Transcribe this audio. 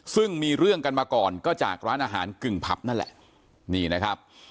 ซึ่งมีเรื่องกันมาก่อนก็จากร้านอาหารกึ่งผับนั่นแหละนี่นะครับ